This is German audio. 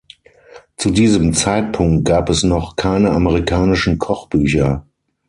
Zu diesem Zeitpunkt gab es noch keine amerikanischen Kochbücher.